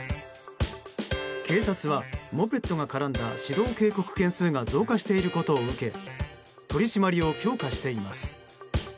警察はモペットが絡んだ指導警告が増加していることを受け取り締まりを強化しています。